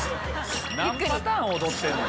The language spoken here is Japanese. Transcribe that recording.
何パターン踊ってんねん。